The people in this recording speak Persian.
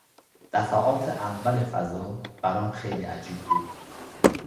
دفعات اول فضا برام خیلی عجیب بود.